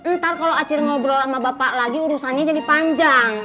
ntar kalau acer ngobrol sama bapak lagi urusannya jadi panjang